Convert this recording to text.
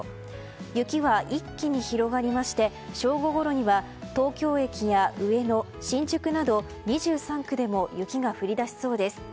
雪は一気に広がりまして正午ごろには東京駅や上野、新宿など２３区でも雪が降り出しそうです。